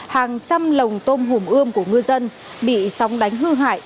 hàng trăm lồng tôm hùm ươm của ngư dân bị sóng đánh hư hại